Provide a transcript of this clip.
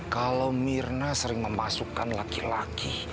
kalau mirna sering memasukkan laki laki